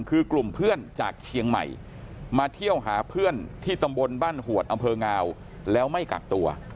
คือกลุ่มเพื่อนจากเชียงใหม่มาเที่ยวหาเพื่อนที่ตำบลบ้านหวดอำเภองาวแล้วไม่กักตัว